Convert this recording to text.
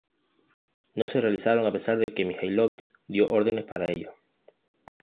No se realizaron a pesar de que Mihailović dio órdenes para ello.